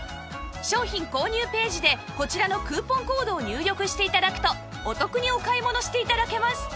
商品購入ページでこちらのクーポンコードを入力して頂くとお得にお買い物して頂けます